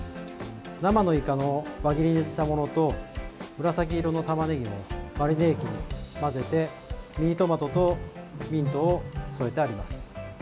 生のイカの輪切りにしたものと紫色のたまねぎをマリネ液に混ぜてミニトマトとミントを添えてあります。